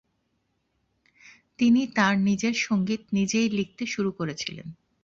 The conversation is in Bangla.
তিনি তাঁর নিজের সংগীত নিজেই লিখতে শুরু করেছিলেন।